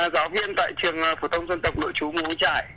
giáo viên tại trường phổ tông dân tộc lộ chú muống trải